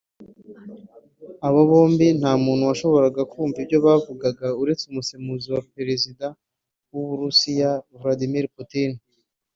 Aba bombi nta muntu washoboraga kumva ibyo bavugana uretse umusemuzi wa Perezida w’ u Burusiya Vladmir Putin